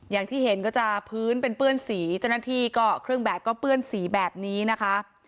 อย่างที่เห็นก็จะพื้นเป็นเปื้อนสีเจ้าหน้าที่ก็เครื่องแบบก็เปื้อนสีแบบนี้นะคะ